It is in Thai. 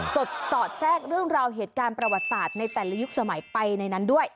สดสอดแทรกเรื่องราวเหตุการณ์ประวัติศาสตร์ในแต่ละยุคสมัยไปในนั้นด้วย